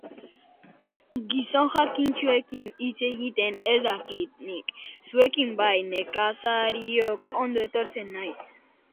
Gizon jakintsuekin hitz egiten ez dakit nik; zuekin bai, nekazariok, ondo etortzen naiz.